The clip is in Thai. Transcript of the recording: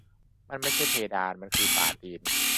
"มันไม่ใช่เพดาน มันคือฝ่าตีน"